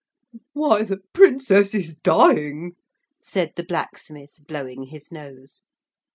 'Why the Princess is dying,' said the blacksmith blowing his nose.